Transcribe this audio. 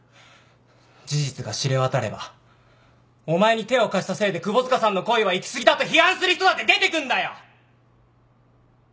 事実が知れ渡ればお前に手を貸したせいで窪塚さんの行為は行き過ぎだと批判する人だって出てくんだよ。